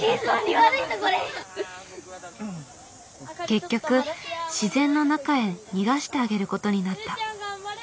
結局自然の中へ逃がしてあげることになった。